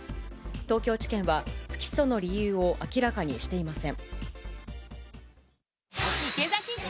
東京地検は不起訴の理由を明らかにしていません。